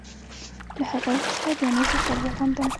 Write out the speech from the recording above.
له هغه وروسته بیا نو زه کالي اغوندم.